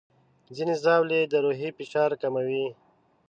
ځینې ژاولې د روحي فشار کموي.